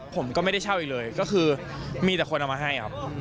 ผมก็ไม่ได้เช่าอีกเลยก็คือมีแต่คนเอามาให้ครับ